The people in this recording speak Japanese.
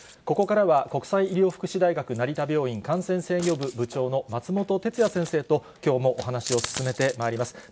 ここからは国際医療福祉大学成田病院感染制御部部長の松本哲哉先生ときょうもお話を進めてまいります。